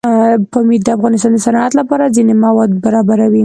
پامیر د افغانستان د صنعت لپاره ځینې مواد برابروي.